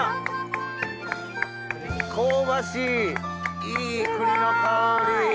香ばしいいい栗の香り。